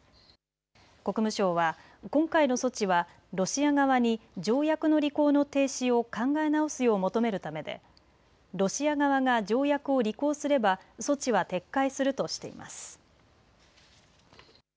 国務省は今回の措置はロシア側に条約の履行の停止を考え直すよう求めるためでロシア側が条約を履行すれば措置は撤回するとしています。